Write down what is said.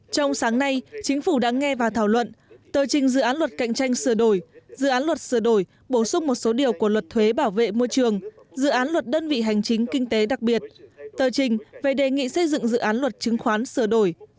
trong sáng nay chính phủ đã nghe và thảo luận tờ trình dự án luật cạnh tranh sửa đổi dự án luật sửa đổi bổ sung một số điều của luật thuế bảo vệ môi trường dự án luật đơn vị hành chính kinh tế đặc biệt tờ trình về đề nghị xây dựng dự án luật chứng khoán sửa đổi